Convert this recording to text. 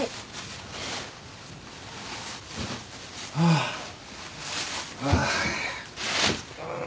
はあああ。